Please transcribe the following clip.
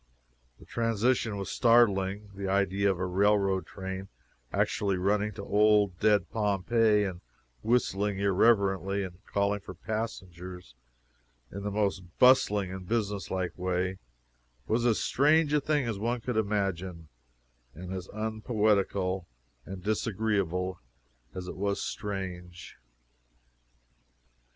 The transition was startling. The idea of a railroad train actually running to old dead Pompeii, and whistling irreverently, and calling for passengers in the most bustling and business like way, was as strange a thing as one could imagine, and as unpoetical and disagreeable as it was strange.